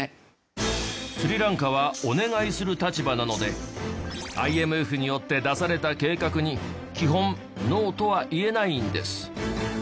スリランカはお願いする立場なのでＩＭＦによって出された計画に基本ノーとは言えないんです。